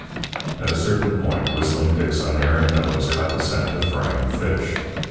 At a certain point Whistling Dick's unerring nose caught the scent of frying fish.